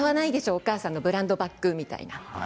お母さんのブランドバッグみたいな。